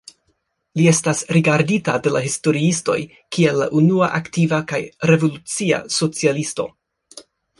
Li estas rigardita de la historiistoj kiel la unua aktiva kaj revolucia socialisto.